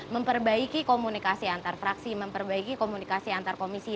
memperbaiki komunikasi antar fraksi memperbaiki komunikasi antar komisi